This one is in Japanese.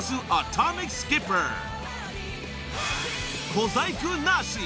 ［小細工なし。